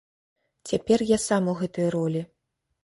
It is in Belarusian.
Цяпер я сам у гэтай ролі.